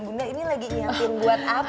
bunda ini lagi nyiapin buat apa